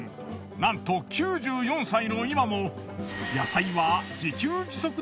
なんと９４歳の今も。